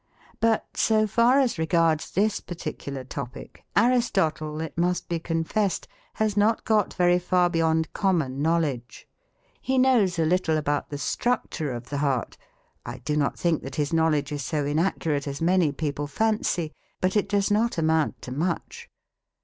But, so far as regards this particular topic, Aristotle, it must be confessed, has not got very far beyond common knowledge. He knows a little about the structure of the heart. I do not think that his knowledge is so inaccurate as many people fancy, but it does not amount to much.